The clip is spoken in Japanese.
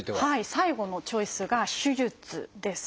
最後のチョイスが「手術」です。